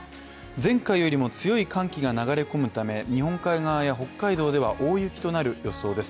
前回よりも強い寒気が流れ込むため日本海側や北海道では大雪となる予想です。